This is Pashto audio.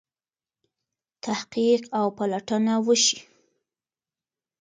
تحقیق او پلټنه وشي.